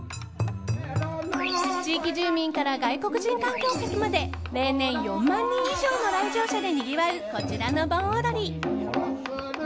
地域住民から外国人観光客まで例年４万人以上の来場者でにぎわう、こちらの盆踊り。